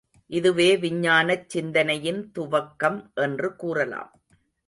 இதுவே விஞ்ஞானச் சிந்தனையின் துவக்கம் என்று கூறலாம்.